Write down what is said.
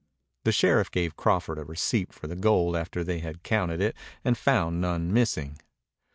The sheriff gave Crawford a receipt for the gold after they had counted it and found none missing.